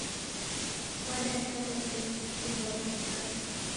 Wadatala chofi kuchumba w'andu w'ake